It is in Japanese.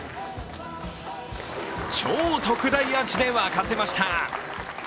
超特大アーチで沸かせました。